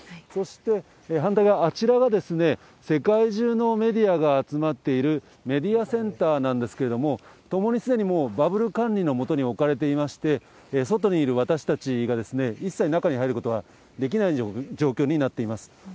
そしてあちらは世界中のメディアが集まっているメディアセンターなんですけれども、ともにすでにもうバブル管理の下に置かれていまして、外にいる私たちが一切中に入ることはできない状況になっています。